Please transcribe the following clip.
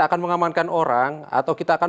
akan mengamankan orang atau kita akan